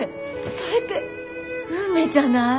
それって運命じゃない？